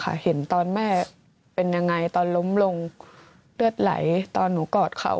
เห็นตอนแม่เป็นยังไงตอนล้มลงเลือดไหลตอนหนูกอดเขา